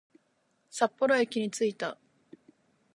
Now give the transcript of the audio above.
札幌駅に着いた